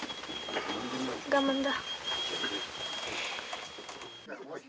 我慢だ。